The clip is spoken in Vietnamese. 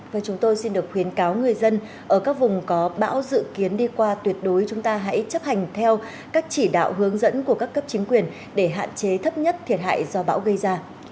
và chúng tôi xin được khuyến cáo người dân ở các vùng có bão dự kiến đi qua tuyệt đối chúng ta hãy chấp hành theo các chỉ đạo hướng dẫn của các cấp chính quyền để hạn chế thấp nhất thiệt hại do bão gây ra